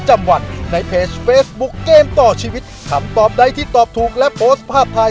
จังหวัดในเพจเฟซบุ๊คเกมต่อชีวิตคำตอบใดที่ตอบถูกและโพสต์ภาพถ่าย